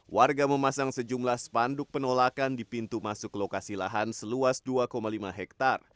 warga memasang sejumlah spanduk penolakan di pintu masuk lokasi lahan seluas dua lima hektare